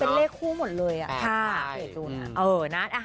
เป็นเลขคู่หมดเลยอ่ะค่ะ